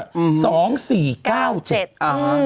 อ่าฮะ